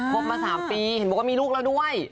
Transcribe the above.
บมา๓ปีเห็นบอกว่ามีลูกแล้วด้วย